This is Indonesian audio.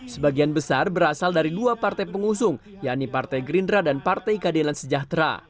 sebagian besar berasal dari dua partai pengusung yakni partai gerindra dan partai keadilan sejahtera